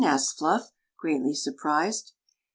asked Fluff, greatly sur prised.